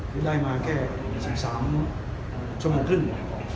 คือได้มาแค่๑๓ชั่วโมงครึ่ง